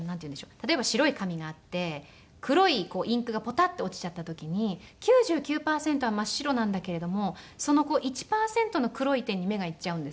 例えば白い紙があって黒いインクがポタッて落ちちゃった時に９９パーセントは真っ白なんだけれどもその１パーセントの黒い点に目が行っちゃうんですよ。